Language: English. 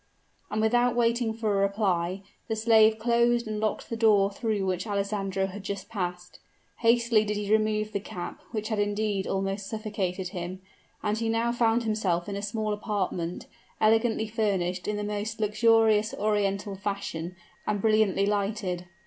And, without waiting for a reply, the slave closed and locked the door through which Alessandro had just passed. Hastily did he remove the cap, which had indeed almost suffocated him; and he now found himself in a small apartment, elegantly furnished in the most luxurious Oriental fashion, and brilliantly lighted.